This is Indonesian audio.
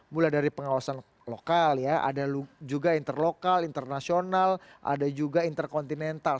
mulai dari pengawasan lokal ya ada juga interlokal internasional ada juga interkontinental